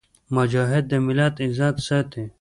مجاهد د ملت عزت ساتي.